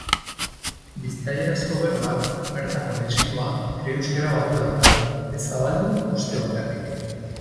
Bizkaierazko berbak, bertako lexikoa, ere euskara batua dira, ez zabaldu uste okerrik.